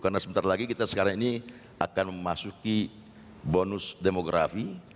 karena sebentar lagi kita sekarang ini akan memasuki bonus demografi